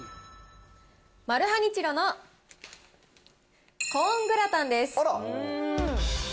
マルハニチロのコーングラタンです。